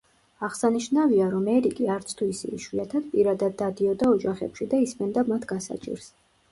აღსანიშნავია, რომ ერიკი არც თუ ისე იშვიათად, პირადად დადიოდა ოჯახებში და ისმენდა მათ გასაჭირს.